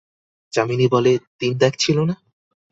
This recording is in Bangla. যামিনী বলে, তিন দাগ ছিল না?